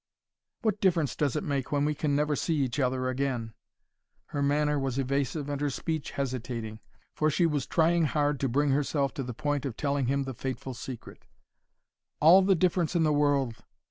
"What difference does it make when we can never see each other again?" Her manner was evasive and her speech hesitating, for she was trying hard to bring herself to the point of telling him the fateful secret. "All the difference in the world!